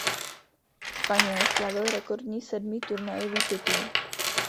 Španěl slavil rekordní sedmý turnajový titul.